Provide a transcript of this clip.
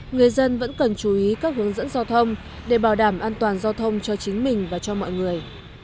người dân vẫn cần chú ý các hướng dẫn giao thông để bảo đảm an toàn giao thông cho chính mình và cho mọi người